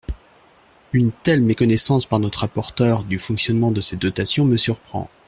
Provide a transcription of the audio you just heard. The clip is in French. Une telle méconnaissance par notre rapporteure du fonctionnement de cette dotation me surprend.